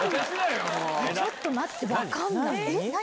ちょっと待って分かんない何？